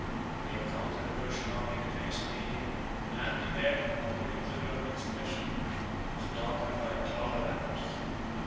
1611 They encountered the Persian army in the plains of Media and the air, according to their own expression, was darkened by a cloud of arrows.